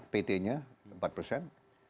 pt nya empat persen